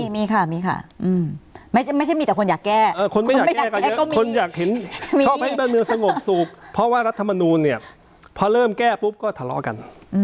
มีค่ะมีค่ะไม่ใช่มีแต่คนอยากแก้คนไม่อยากคนอยากเห็นชอบให้บ้านเมืองสงบสุขเพราะว่ารัฐมนูลเนี่ยพอเริ่มแก้ปุ๊บก็ทะเลาะกัน